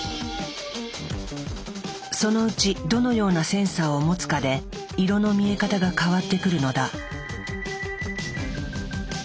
そのうちどのようなセンサーを持つかで色の見え方が変わってくるのだ。